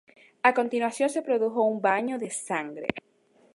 A continuación se produjo un baño de sangre.